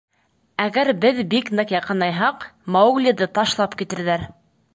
Әгәр беҙ бик ныҡ яҡынайһаҡ, Мауглиҙы ташлап китерҙәр.